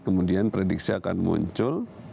kemudian prediksi akan muncul